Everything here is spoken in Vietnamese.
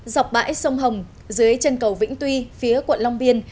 dọc bãi sông hồng dưới chân cầu vĩnh tuy phía quận long biên